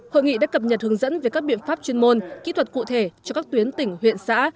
hội nghị đã cập nhật hướng dẫn về các biện pháp chuyên môn kỹ thuật cụ thể cho các tuyến tỉnh huyện xã